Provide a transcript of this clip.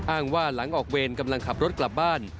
อ้างว่าหลังออกเวรกำลังขับรถกลับบ้าน